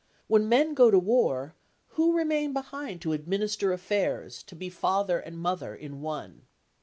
When men go to war, who remain behind to administer affairs, to be father and mother in one?